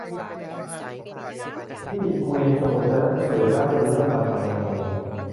มีด เกวียน สมุดและหนังสือ นับเป็นเล่ม มันมายังไง